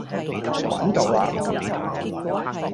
玩夠啦